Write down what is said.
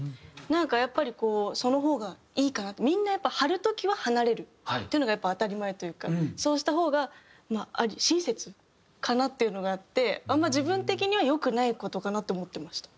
なんかやっぱりこうその方がいいかなってみんなやっぱ張る時は離れるというのが当たり前というかそうした方が親切かなっていうのがあってあんま自分的には良くない事かなって思ってました。